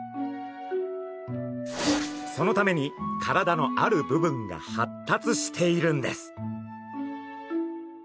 そのために体のある部分が発達しているんです。